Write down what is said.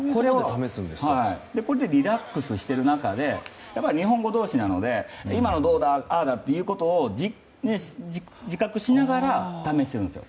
これでリラックスしている中で日本語同士なので今のどうだ、ああだということを自覚しながら試せるんです。